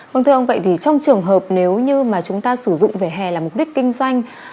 vâng thưa ông vậy thì trong trường hợp nếu như mà chúng ta sử dụng về hè là mục đích kinh doanh